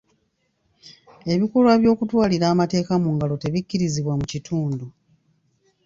Ebikolwa by'okutwalira amateeka mu ngalo tebikkirizibwa mu kitundu.